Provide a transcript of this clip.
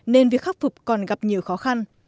nên việc khắc phục còn gặp nhiều khó khăn